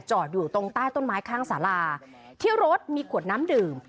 อยู่ตรงใต้ต้นไม้ข้างสาราที่รถมีขวดน้ำดื่ม